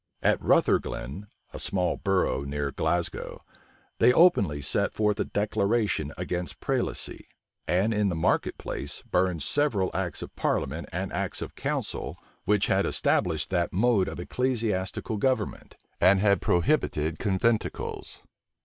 At Rutherglen, a small borough near Glasgow, they openly set forth a declaration against prelacy; and in the market place burned several acts of parliament and acts of council, which had established that mode of ecclesiastical government, and had prohibited conventicles.